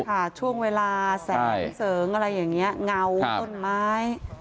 ค่ะช่วงเวลาแสงเสริงอะไรอย่างนี้เงาต้นไม้